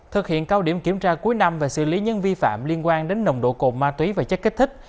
thực hiện cao điểm kiểm tra cuối năm về xử lý nhân vi phạm liên quan đến nồng độ cồn ma túy và chất kích thích